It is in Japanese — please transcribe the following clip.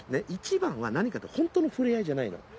一番は何かって本当の触れ合いじゃないの。